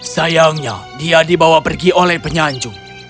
sayangnya dia dibawa pergi oleh penyanjung